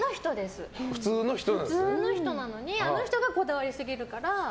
普通の人なのにあの人がこだわりすぎるから。